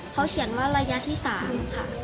เขาเขียนว่าระยะที่๓ค่ะ